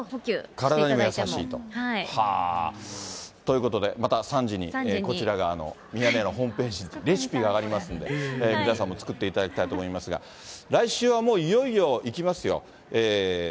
体にも優しいと。ということで、また３時に、こちら側の、ミヤネ屋のホームページにレシピが上がりますんで、皆さんも作っていただきたいと思いますが、来週はもういよいよいきますよ。